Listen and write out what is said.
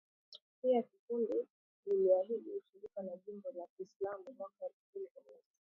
Pia kundi liliahidi ushirika na jimbo ya Kiislamu mwaka elfu mbili kumi na tisa.